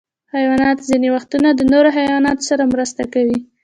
حیوانات ځینې وختونه د نورو حیواناتو سره مرسته کوي.